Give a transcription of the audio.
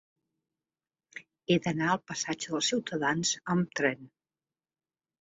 He d'anar al passatge dels Ciutadans amb tren.